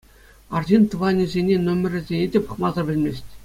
Арҫын тӑванӗсене номерӗсене те пӑхмасӑр пӗлмест.